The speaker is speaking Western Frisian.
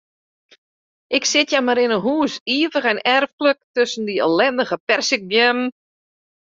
Ik sit hjir mar yn 'e hûs, ivich en erflik tusken dy ellindige perzikbeammen.